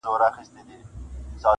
تور باڼۀ وروځې او زلفې خال او زخه ,